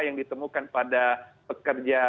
yang ditemukan pada pekerja